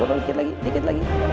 borong dikit lagi dikit lagi